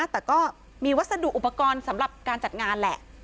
แต่ก็มีวัสดุอุปกรณ์สำหรับการจัดงานแหละ